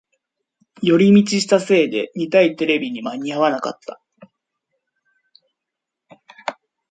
寄り道したせいで見たいテレビに間に合わなかった